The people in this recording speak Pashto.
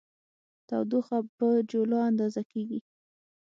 تودوخه په جولا اندازه کېږي.